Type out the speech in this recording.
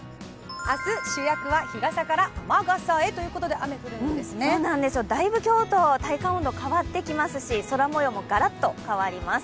明日主役は日傘から雨傘へということでだいぶ今日と体感温度が変わってきますし、空模様もガラッと変わります。